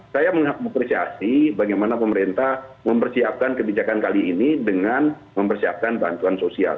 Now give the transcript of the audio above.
saya mengapresiasi bagaimana pemerintah mempersiapkan kebijakan kali ini dengan mempersiapkan bantuan sosial